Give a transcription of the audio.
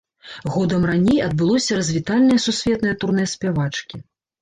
Годам раней адбылося развітальнае сусветнае турнэ спявачкі.